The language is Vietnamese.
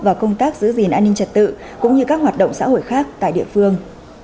và công tác giữ gìn an ninh trật tự cũng như các hoạt động xã hội khác tại địa phương